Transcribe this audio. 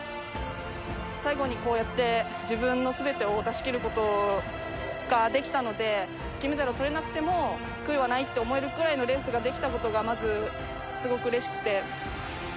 最後に、こうやって自分の全てを出し切る事ができたので金メダルをとれなくても悔いはないって思えるくらいのレースができた事がまず、すごくうれしくて。